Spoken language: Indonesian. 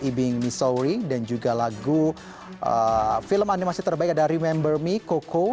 i being misery dan juga lagu film animasi terbaik ada remember me coco